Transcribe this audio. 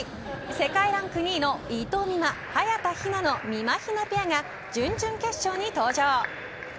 世界ランク２位の伊藤美誠早田ひなのみまひなペアが準々決勝に登場。